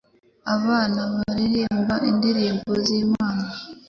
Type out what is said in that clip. abana baririmba indirimbo z'Imana.